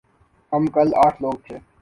ہم کل آٹھ لوگ تھے ۔